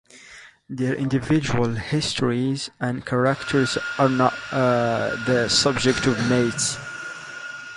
Their individual histories and characters are not the subjects of myths.